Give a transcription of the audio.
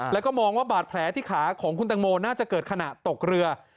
แล้วก็มองว่าบาดแผลที่ขาของคุณตังโมน่าจะเกิดขณะตกเรือ